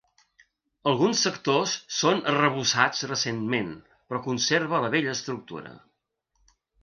Alguns sectors són arrebossats recentment però conserva la vella estructura.